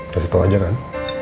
kasih tau aja kan